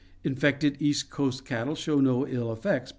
Infected East Coast cattle show no ill effects, but Fio.